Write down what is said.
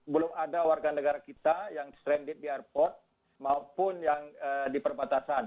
belum ada warga negara kita yang stranded di airport maupun yang di perbatasan